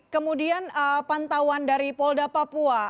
kemudian pantauan dari polda papua